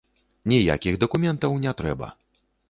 Ніякіх дакументаў не трэба!